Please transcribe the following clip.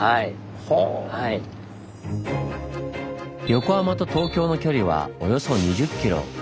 横浜と東京の距離はおよそ２０ｋｍ。